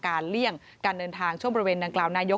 เลี่ยงการเดินทางช่วงบริเวณดังกล่าวนายก